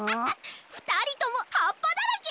ふたりともはっぱだらけ！